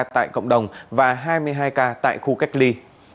tại cộng đồng và hai mươi hai ca tại khu cách ly